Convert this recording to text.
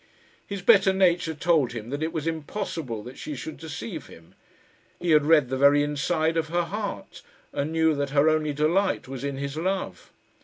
His better nature told him that it was impossible that she should deceive him. He had read the very inside of her heart, and knew that her only delight was in his love.